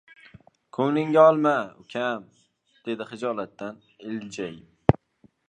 Ko‘ngIingga olma, ukam, - dedi xijolatdan ilja- yib.